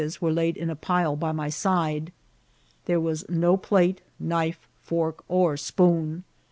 166 las were laid in a pile by my side. There was no plate, knife, fork, or spoon.